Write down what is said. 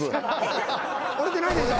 折れてないでしょ。